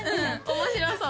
面白そう！